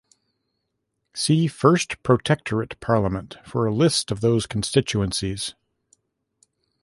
See First Protectorate Parliament for a list of those constituencies.